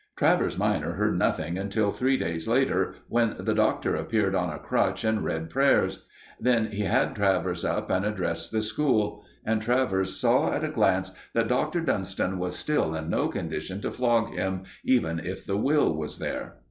Travers minor heard nothing until three days later, when the Doctor appeared on a crutch and read prayers. Then he had Travers up and addressed the school. And Travers saw at a glance that Dr. Dunston was still in no condition to flog him, even if the will was there.